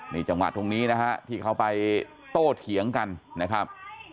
นี่จังหวะตรงนี้นะฮะที่เขาไปโต้เถียงกันนะครับ